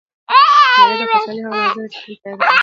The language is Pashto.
مېله د خوشحالۍ هغه لحظه ده، چي تل په یاد پاته کېږي.